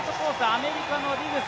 アメリカのディグス